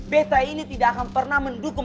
bt ini tidak akan pernah mendukung